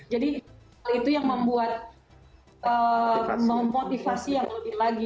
jadi hal itu yang membuat memotivasi yang lebih lagi